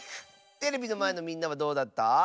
テレビのまえのみんなはどうだった？